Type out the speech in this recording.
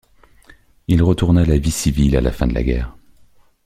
Il retourna à la vie civile à la fin de la guerre.